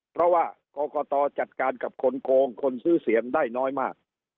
เพราะว่ากรกตจัดการกับคนโกงคนซื้อเสียงได้น้อยมาก